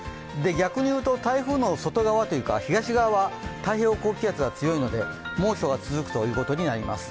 逆に言うと台風の外側というか東側は太平洋高気圧が強いので猛暑が続くということになります。